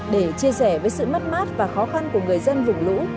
để chia sẻ với sự mất mát và khó khăn của người dân vùng lũ